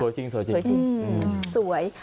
สวยจริงอืมสวย